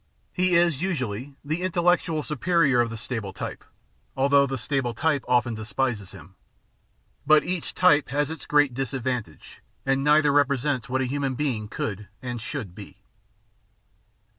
He is, usually, the intellectual superior of the stable type, although the stable type often despises him. But each type has its great disadvantage, and neither represents what a human being could and should be.